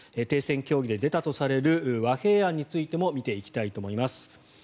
停戦協議で出たとする和平案についても見ていきたいと思います。